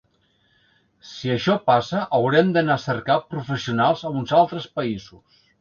Si això passa, haurem d’anar a cercar professionals a uns altres països.